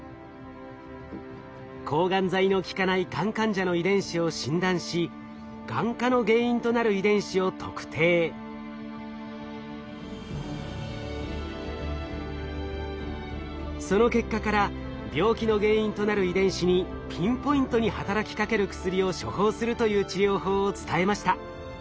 抗がん剤の効かないがん患者の遺伝子を診断しその結果から病気の原因となる遺伝子にピンポイントに働きかける薬を処方するという治療法を伝えました。